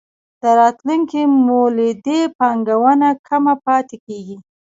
راتلونکې مولدې پانګونه کمه پاتې کېږي.